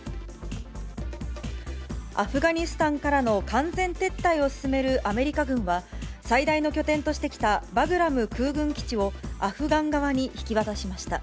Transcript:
アフガニスタンからの完全撤退を進めるアメリカ軍は、最大の拠点としてきたバグラム空軍基地をアフガン側に引き渡しました。